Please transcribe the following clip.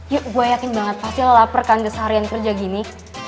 yuk gue yakin banget pasti lo lapar kan keseharian kerja gini